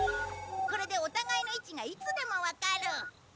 これでお互いの位置がいつでもわかる。